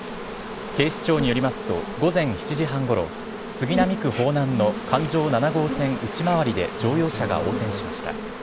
警視庁によりますと、午前７時半ごろ、杉並区方南の環状７号線内回りで乗用車が横転しました。